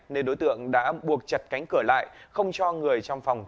nên đối tượng đã buộc chặt cánh cửa lại không cho người trong phòng